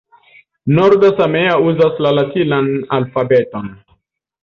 Norda samea uzas la latinan alfabeton.